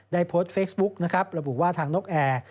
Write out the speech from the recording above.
ได้โพสต์เฟซบุ๊คและบูว่าทางนกแอร์